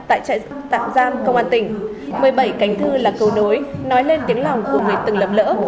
tại trại tạm giam công an tỉnh một mươi bảy cánh thư là cầu nối nói lên tiếng lòng của người từng lầm lỡ